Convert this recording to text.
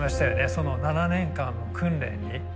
その７年間の訓練に。